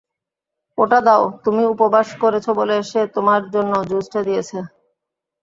ওটা দাও, তুমি উপবাস করেছ বলে সে তোমার জন্য জুসটা দিয়েছে।